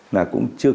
là cũng chưa